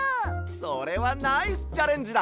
それはナイスチャレンジだ！